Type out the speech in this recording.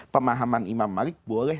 pemahaman imam malik boleh